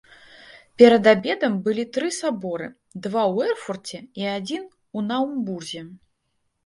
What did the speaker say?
Перад абедам былі тры саборы — два ў Эрфурце і адзін у Наўмбурзе.